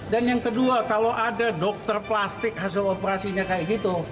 dan yang kedua kalau ada dokter plastik hasil operasinya kayak gitu